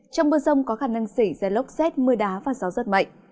trong mưa rông có khả năng xảy ra lốc xét mưa đá và gió rất mạnh